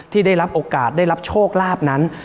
ที่ได้รับโอกาสได้รับโชคลาภนั้น